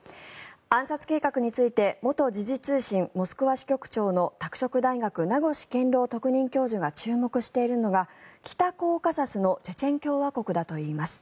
暗殺計画について元時事通信モスクワ支局長の拓殖大学、名越健郎特任教授が注目しているのが北コーカサスのチェチェン共和国だといいます。